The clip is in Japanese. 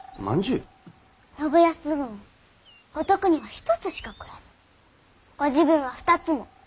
信康殿は五徳には１つしかくれずご自分は２つも。